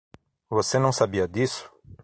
Você não sabia disso?